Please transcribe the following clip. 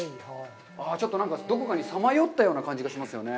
ちょっとなんかどこかにさまよったような感じがしますね。